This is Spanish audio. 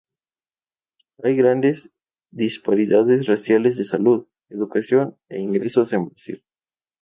Hay grandes disparidades raciales de salud, educación e ingresos en Brasil.